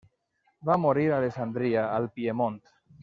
Va morir a Alessandria, al Piemont.